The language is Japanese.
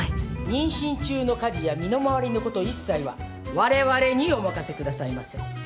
妊娠中の家事や身の回りのこと一切はわれわれにお任せくださいませ。